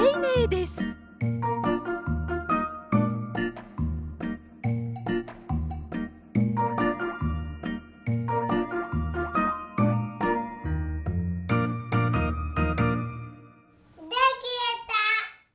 できた！